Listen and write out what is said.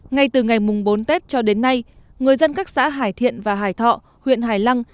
ngay từ ngày mùng bốn tết cho đến nay người dân các xã hải thiện và hải thọ huyện hải lăng